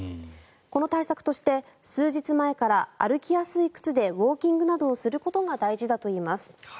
この対策として数日前から歩きやすい靴などでウォーキングなどをすることが大事だといいます。